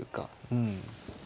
うん。